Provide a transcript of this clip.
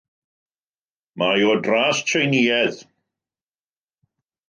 Mae hi o dras Tsieineaidd.